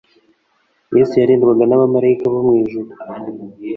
Yesu yarindwaga n'abamalayika bo mu ijuru,